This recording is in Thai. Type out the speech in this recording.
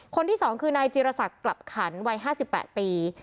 คนที่สองคือนายจิรษักรกลับขันวัยห้าสิบแปะปี